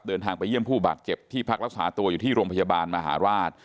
เดินทางไปเยี่ยมผู้บาดเจ็บที่พักรักษาตัวอยู่ที่โรงพยาบาลมหาราช